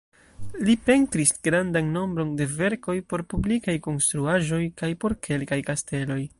Li pentris grandan nombron de verkoj por publikaj konstruaĵoj kaj por kelkaj kasteloj.